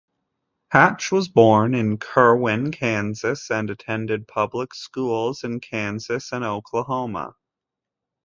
Hatch was born in Kirwin, Kansas, and attended public schools in Kansas and Oklahoma.